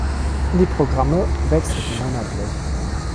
Die Programme wechselten monatlich.